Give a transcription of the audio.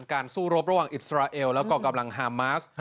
สู้รบระหว่างอิสราเอลแล้วก็กำลังฮามาส